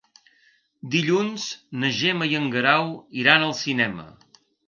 Dilluns na Gemma i en Guerau iran al cinema.